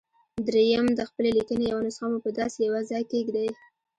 درېيم د خپلې ليکنې يوه نسخه مو په داسې يوه ځای کېږدئ.